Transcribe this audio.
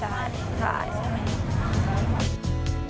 ดอกมะที่ถูกกว่าใช่ใช่ใช่ใช่ใช่